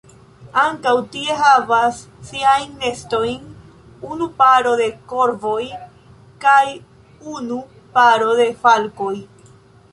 Ankaŭ tie havas siajn nestojn unu paro de korvoj kaj unu paro de falkoj.